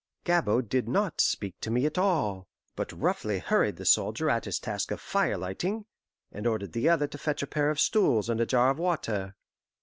Gabord did not speak to me at all, but roughly hurried the soldier at his task of fire lighting, and ordered the other to fetch a pair of stools and a jar of water.